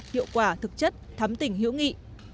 hiệu quả thực chất thắm tỉnh hữu nghị